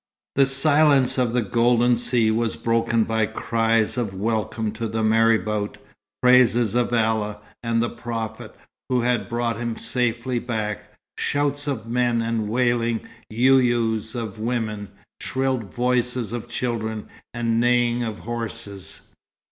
The silence of the golden sea was broken by cries of welcome to the marabout, praises of Allah and the Prophet who had brought him safely back, shouts of men, and wailing "you yous" of women, shrill voices of children, and neighing of horses.